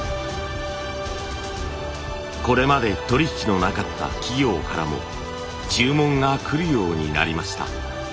これまで取り引きのなかった企業からも注文がくるようになりました。